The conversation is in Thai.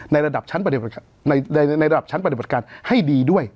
ในระดับชั้นประเด็นประกาศในในระดับชั้นประเด็นประกาศให้ดีด้วย